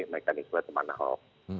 mekanisme teman hoax